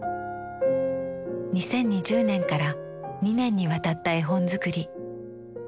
２０２０年から２年にわたった絵本作り。